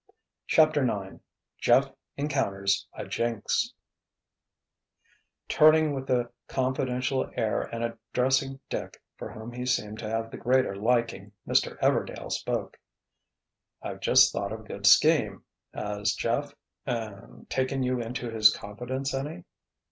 CHAPTER IX JEFF ENCOUNTERS A "JINX" Turning with a confidential air and addressing Dick, for whom he seemed to have the greater liking, Mr. "Everdail" spoke. "I've just thought of a good scheme. Has Jeff—er—taken you into his confidence any?"